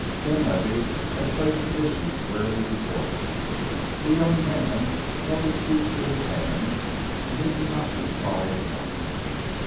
Dunlavey had placed the issue squarely before him. The young man held his future in his hands and he did not reply at once.